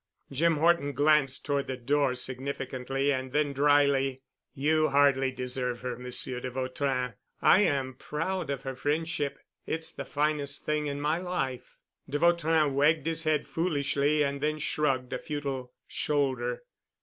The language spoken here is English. Jim Horton glanced toward the door significantly. And then dryly, "You hardly deserve her, Monsieur de Vautrin. I am proud of her friendship. It's the finest thing in my life." De Vautrin wagged his head foolishly and then shrugged a futile shoulder.